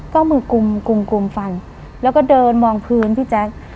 ก็เอามือกลุ่มกลุ่มฟันแล้วก็เดินมองพื้นพี่แจ๊ค